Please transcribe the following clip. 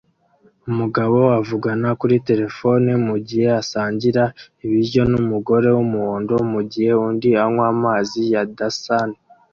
Umugabo avugana kuri terefone mugihe asangira ibiryo numugore wumuhondo mugihe undi anywa Amazi ya Dasani